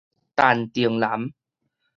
陳定南